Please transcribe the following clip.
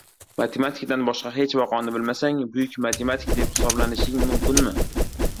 Matematikadan boshqa hech vaqoni bilmasang, buyuk matematik deb hisoblanishing mumkinmi?